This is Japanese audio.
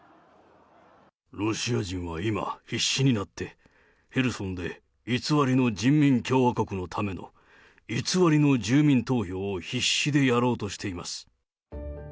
ロシア人は今、必死になって、ヘルソンで偽りの人民共和国のための偽りの住民投票を必死でやろうとしています。